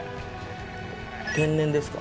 天然ですか？